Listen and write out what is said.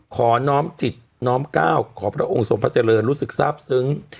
ขอน้อมจิตน้อมเก้าขอพระองค์สมพเจริญรู้สึกซับซึ้ง